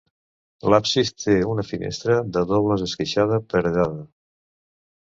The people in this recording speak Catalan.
L'absis té també una finestra de dobles esqueixada, paredada.